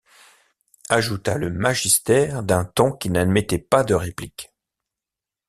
ajouta le magister d’un ton qui n’admettait pas de réplique.